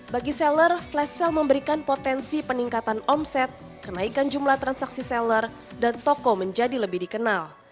bagi seller flash sale memberikan potensi peningkatan omset kenaikan jumlah transaksi seller dan toko menjadi lebih dikenal